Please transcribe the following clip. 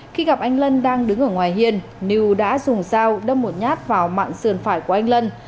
khi gặp anh lân đang đứng ở ngoài hiên niu đã dùng dao đâm một nhát vào mạng sườn phải của anh lân